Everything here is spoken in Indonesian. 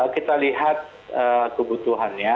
kita lihat kebutuhannya